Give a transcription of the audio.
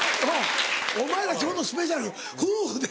お前ら今日のスペシャル夫婦で。